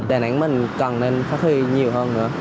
đàn ánh mình cần nên phát huy nhiều hơn nữa